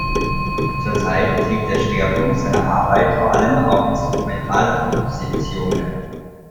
Zurzeit liegt der Schwerpunkt seiner Arbeit vor allem auf Instrumentalkompositionen.